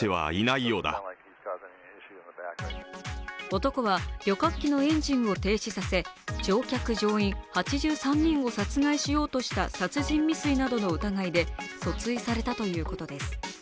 男は旅客機のエンジンを停止させ乗客・乗員８３人を殺害しようとした殺人未遂などの疑いで訴追されたということです。